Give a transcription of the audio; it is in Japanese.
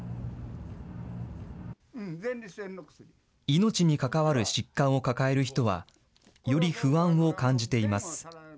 命に関わる疾患を抱える人は、より不安を感じています。